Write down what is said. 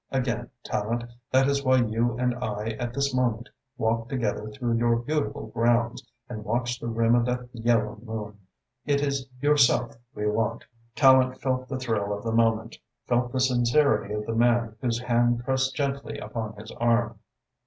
Again, Tallente, that is why you and I at this moment walk together through your beautiful grounds and watch the rim of that yellow moon. It is yourself we want." Tallente felt the thrill of the moment, felt the sincerity of the man whose hand pressed gently upon his arm.